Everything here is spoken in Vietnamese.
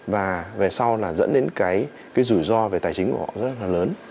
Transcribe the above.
và về sau là dẫn đến cái rủi ro về tài chính của họ rất là lớn